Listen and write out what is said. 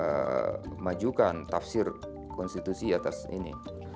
kita harus mencari pengetahuan tafsir konstitusi atas ini